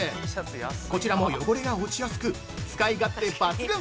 こちらも汚れが落ちやすく、使い勝手抜群。